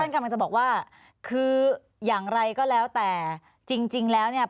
กำลังจะบอกว่าคืออย่างไรก็แล้วแต่จริงจริงแล้วเนี่ย